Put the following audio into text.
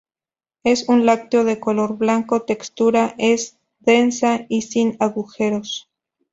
Es un lácteo de color blanco, textura es densa y sin agujeros.